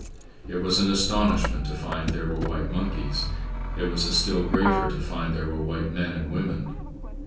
It was an astonishment to find there were white monkeys. It was a still greater to find there were white men and women.